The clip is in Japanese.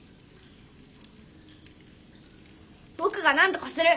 僕が何とかする。